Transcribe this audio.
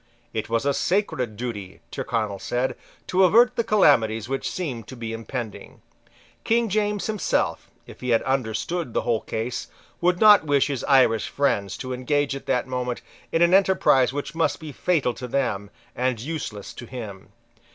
It was a sacred duty, Tyrconnel said, to avert the calamities which seemed to be impending. King James himself, if he understood the whole case, would not wish his Irish friends to engage at that moment in an enterprise which must be fatal to them and useless to him.